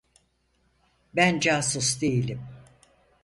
Ben casus değilim.